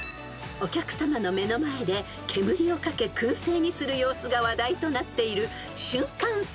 ［お客さまの目の前で煙をかけ薫製にする様子が話題となっている］